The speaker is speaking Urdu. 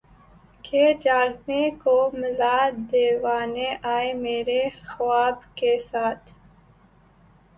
کہ جاگنے کو ملا دیوے آکے میرے خواب کیساتھ